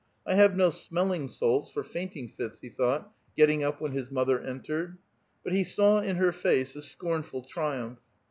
I have no smelling salts for fainting A VITAL QUESTION. 49 fits !" he thought, getting up when his mother entered. But he saw iu her face a scornful triumph.